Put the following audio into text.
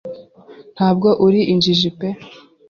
ntabwo uri injiji pe